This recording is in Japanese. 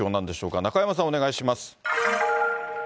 中山さん、お願いします。